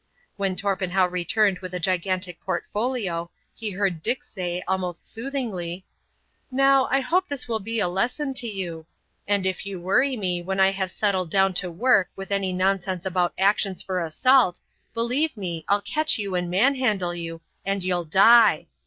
When Torpenhow returned with a gigantic portfolio, he heard Dick say, almost soothingly, "Now, I hope this will be a lesson to you; and if you worry me when I have settled down to work with any nonsense about actions for assault, believe me, I'll catch you and manhandle you, and you'll die.